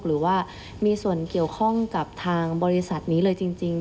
หรือว่ามีส่วนเกี่ยวข้องกับทางบริษัทนี้เลยจริง